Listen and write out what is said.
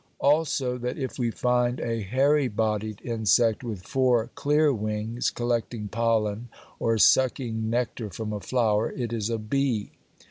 Also, that if we find a hairy bodied insect with four clear wings collecting pollen or sucking nectar from a flower it is a bee.